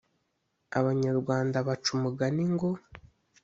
Abanyarwanda baca umugani ngo